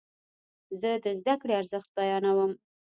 زه د زده کړې ارزښت بیانوم.